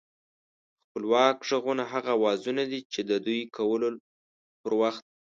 خپلواک غږونه هغه اوازونه دي چې د دوی کولو پر وخت